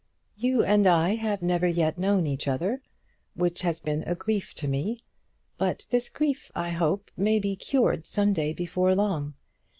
You and I have never yet known each other; which has been a grief to me; but this grief, I hope, may be cured some day before long.